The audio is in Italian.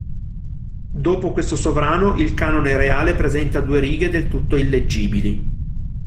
Dopo questo sovrano il Canone Reale presenta due righe del tutto illeggibili.